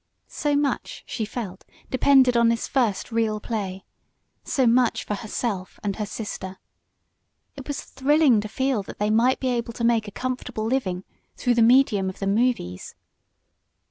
So much, she felt, depended on this first real play so much for herself and her sister. It was thrilling to feel that they might be able to make a comfortable living through the medium of the movies.